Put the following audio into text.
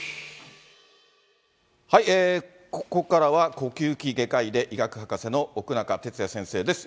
ここからは、呼吸器外科医で、医学博士の奥仲哲弥先生です。